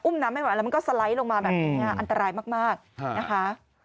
น้ำไม่ไหวแล้วมันก็สไลด์ลงมาแบบนี้อันตรายมากนะคะ